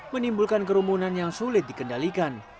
menimbulkan kerumunan yang sulit dikendalikan